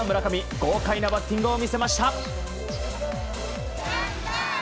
豪快なバッティングを見せました。